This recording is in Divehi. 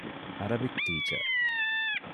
ޢަރަބިކް ޓީޗަރ